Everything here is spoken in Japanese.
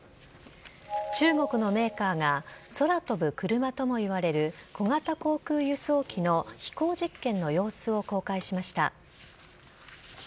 中国のメーカーが、空飛ぶクルマともいわれる小型航空輸送機の飛行実験の様子を公開しました。